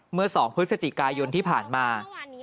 เมื่อ๒พฤศจิกายนที่ผ่านมา